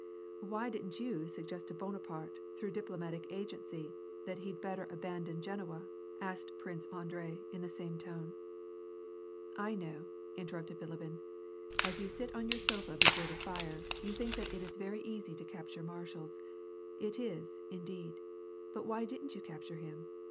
" Why didn't you suggest to Bonaparte, through diplomatic agency, that he'd better abandon Genoa," asked Prince Andrei, in the same tone. " I know," interrupted Bilibin, " as you sit on your sofa be fore the fire you think that it is very easy to capture marshals. It is, indeed, but why didn't you capture him